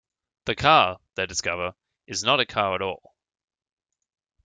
The car, they discover, is not a car at all.